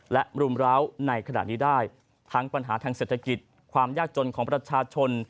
และรุมร้าวในขณะนี้ได้ทั้งปัญหาทางเศรษฐกิจความยากจนของประชาชน